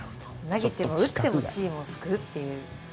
投げても打ってもチームを救うと。